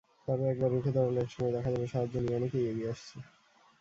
তবে একবার রুখে দাঁড়ালে একসময় দেখা যাবে সাহায্য নিয়ে অনেকেই এগিয়ে আসছে।